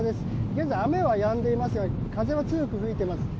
現在、雨はやんでいますが風は強く吹いています。